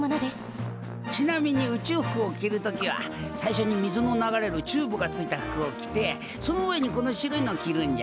ちなみに宇宙服を着る時は最初に水の流れるチューブが付いた服を着てその上にこの白いのを着るんじゃ。